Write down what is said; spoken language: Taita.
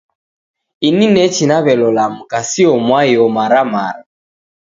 Ini nechi naw'elola mka sio mwai omaramara